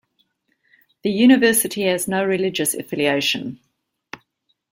The university has no religious affiliation.